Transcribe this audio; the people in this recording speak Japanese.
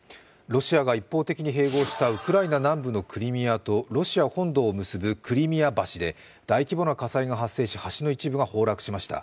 ロシアが一方的に併合したウクライナ南部のクリミアとロシア本土を結ぶクリミア橋で大規模な火災が発生し、橋の一部が崩落しました。